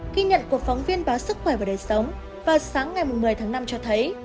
ghi nhận của phóng viên báo sức khỏe và đời sống vào sáng ngày một mươi tháng năm cho thấy